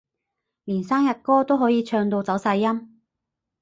連生日歌都可以唱到走晒音